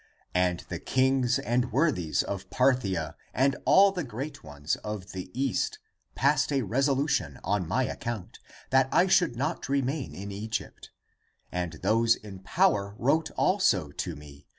And the kings and worthies of Parthia And all the great ones of the East Passed a resolution on my account, That I should not remain in Egypt. And those in power wrote also to me.